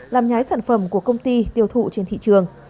làm nhái sản phẩm của công ty tiêu thụ trên thị trường